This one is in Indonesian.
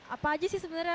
apa aja sih sebenarnya